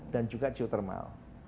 dan juga geotermal